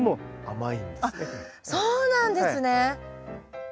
あっそうなんですね！